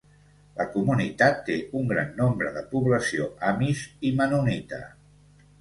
La comunitat té un gran nombre de població amish i mennonita.